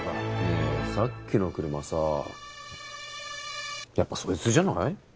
ねえさっきの車さあやっぱそいつじゃない？